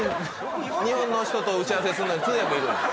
日本の人と打ち合わせするのに通訳いるんだ。